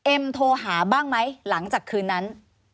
โทรหาบ้างไหมหลังจากคืนนั้น